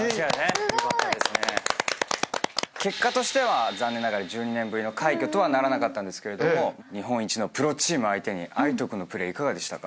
すごい！結果としては残念ながら１２年ぶりの快挙とはならなかったんですけれども日本一のプロチーム相手に藍仁君のプレーいかがでしたか？